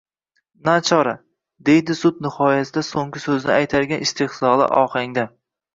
– Nachora! – deydi sud nihoyasida so‘nggi so‘zini aytarkan, iztehzoli ohangda